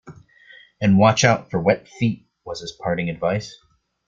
And watch out for wet feet, was his parting advice.